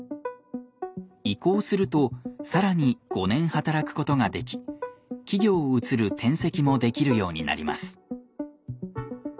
移行すると更に５年働くことができ企業を移る転籍もできるようになります。